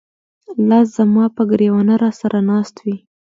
لاس زماپه ګر ېوانه راسره ناست وې